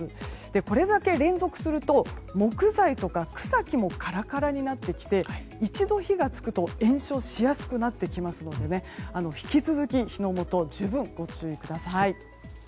これだけ連続すると木材とか草木もカラカラになってきて一度、火が付くと延焼しやすくなってきますので引き続き、火の元十分にご注意ください。